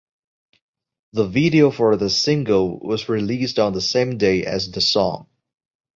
The video for the single was released on the same day as the song.